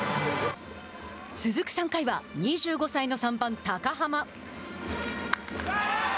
続く３回は２５歳の３番高濱。